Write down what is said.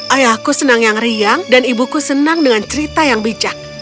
ayahku senang yang riang dan ibuku senang dengan cerita yang bijak